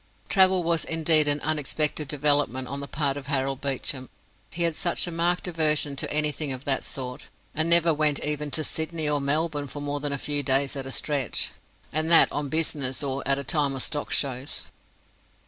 Travel was indeed an unexpected development on the part of Harold Beecham. He had such a marked aversion to anything of that sort, and never went even to Sydney or Melbourne for more than a few days at a stretch, and that on business or at a time of stock shows.